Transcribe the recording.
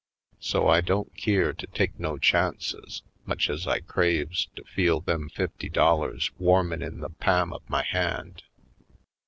So I don't keer to take no chances, much ez I craves to feel them fifty dollars warmin' in the pa'm of my hand.